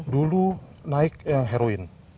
dulu naik yang heroin